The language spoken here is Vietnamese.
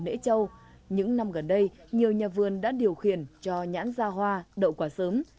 lễ châu những năm gần đây nhiều nhà vườn đã điều khiển cho nhãn ra hoa đậu quả sớm